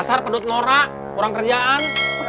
dasar pedut norak kurang kerjaan